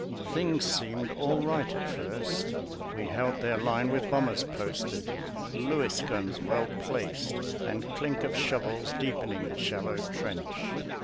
Things seemed all light at first. We held their line, With bombers posted, Lewis guns well placed, And clink of shovels deepening the shallow trench.